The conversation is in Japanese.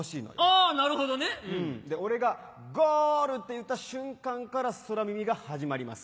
あなるほどね。俺が「ゴール」って言った瞬間から空耳が始まります。